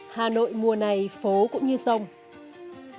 hà nội mùa này phố cũng như sông